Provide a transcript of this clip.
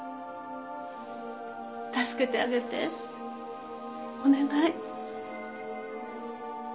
助けてあげてお願い